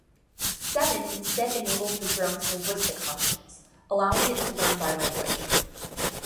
Seven instead enables the drone's linguistic functions, allowing it to learn by language.